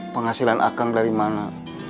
penghasilan akang dari mana